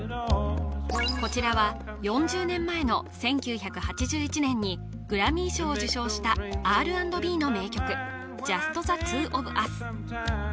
こちらは４０年前の１９８１年にグラミー賞を受賞したＲ＆Ｂの名曲「ＪｕｓｔＴｈｅＴｗｏｏｆＵｓ」